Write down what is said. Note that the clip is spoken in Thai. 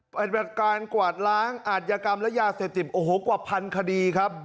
ปฏิบัติการกวาดล้างอาจยกรรมและยาเสพติดโอ้โหกว่าพันคดีครับ